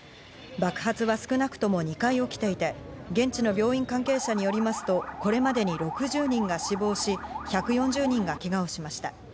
爆発は少なくとも２回起きていて、現地の病院関係者によりますと、これまでに６０人が死亡し、１４０人がけがをしました。